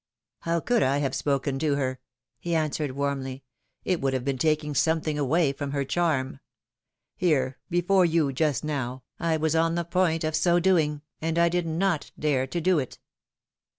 ^^How could I have spoken to her?^^ he answered, warmly; it would have been taking something away from her charm. Here, before you, just now, I was on the point of so doing, and I did not dare to do it.